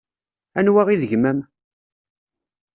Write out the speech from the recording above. Anwa i d gma-m?